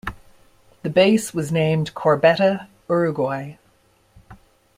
The base was named Corbeta Uruguay.